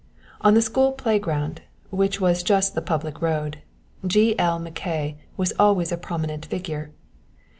On the school playground, which was just the public road, G. L. Mackay was always a prominent figure.